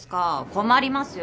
困りますよ。